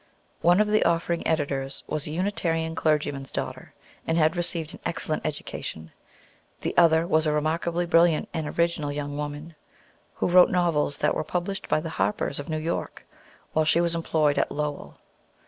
One of the "Offering" editors was a Unitarian clergyman's daughter, and had received an excellent education. The other was a remarkably brilliant and original young woman, who wrote novels that were published by the Harpers of New York while she was employed at Lowell.